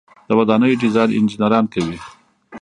د ودانیو ډیزاین انجنیران کوي